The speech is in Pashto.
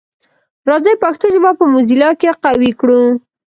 راځی پښتو ژبه په موزیلا کي قوي کړو.